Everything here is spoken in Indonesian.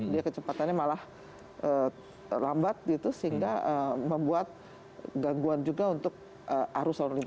dia kecepatannya malah lambat gitu sehingga membuat gangguan juga untuk arus lalu lintas